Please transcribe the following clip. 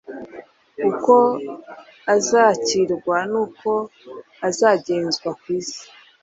uko azakirwa n’uko azagenzwa ku isi.